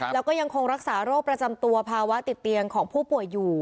แล้วก็ยังคงรักษาโรคประจำตัวภาวะติดเตียงของผู้ป่วยอยู่